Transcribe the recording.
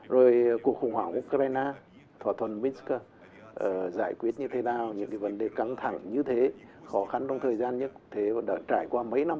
rồi cuộc khủng hoảng ukraine thỏa thuận minsk giải quyết như thế nào những vấn đề căng thẳng như thế khó khăn trong thời gian nhất thế và đã trải qua mấy năm